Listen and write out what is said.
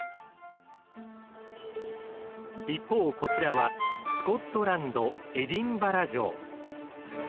一方こちらはスコットランドエディンバラ城。